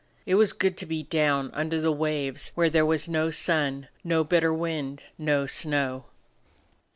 It was good to be down under the waves where there was no sun, no bitter wind, no snow.